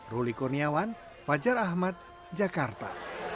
ruli kurniawan fajar ahmad jakarta